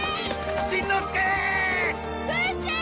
しんのすけーっ！